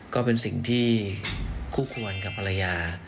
ก็เป็นสิ่งที่คู่ควรกับภรรยา